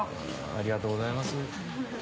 ありがとうございます。